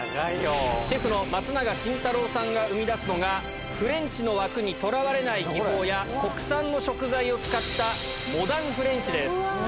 シェフの松永晋太郎さんが生み出すのが、フレンチの枠にとらわれない生き物や国産の食材を使ったモダンフレンチです。